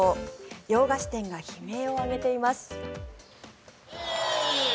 洋菓子店が悲鳴を上げています。